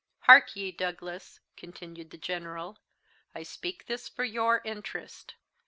"Hark ye, Douglas," continued the General, "I speak this for your interest.